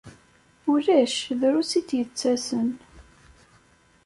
Ulac, drus i d-yettasen.